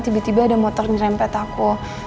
tiba tiba ada motor nyerempet aku